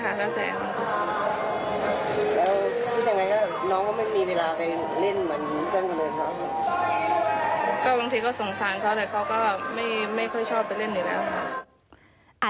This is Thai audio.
บางทีก็สงสารเขาแต่เขาก็ไม่ค่อยชอบไปเล่นอยู่แล้วค่ะ